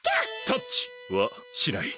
タッチ！はしない。